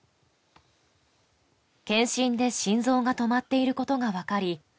健診で心臓が止まっていることが分かり